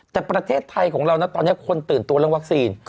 แต่ประเทศไทยของเรานะตอนนี้คนตื่นตัวเรื่องวัคซีน